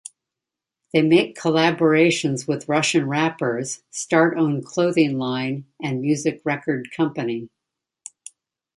They make collaborations with Russian rappers, start own clothing line and music record company.